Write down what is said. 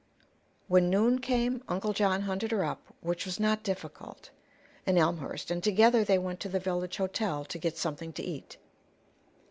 When noon came Uncle John hunted her up, which was not difficult, in Elmwood, and together they went to the village "hotel" to get something to eat.